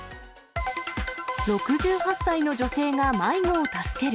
６８歳の女性が迷子を助ける。